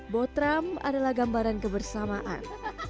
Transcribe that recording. botram adalah gambaran kebersamaan